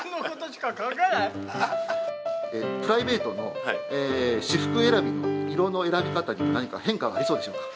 プライベートの私服選びの色の選び方には、何か変化はありそうでしょうか。